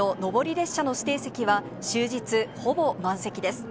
列車の指定席は、終日、ほぼ満席です。